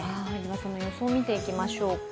その予想を見ていきましょうか。